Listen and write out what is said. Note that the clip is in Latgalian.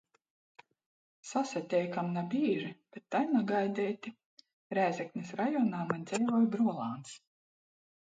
Sasateikam na bīži, bet tai nagaideiti. Rēzeknis rajonā maņ dzeivoj bruolāns.